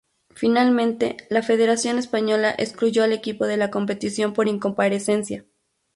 Finalmente, la Federación española excluyó al equipo de la competición por incomparecencia.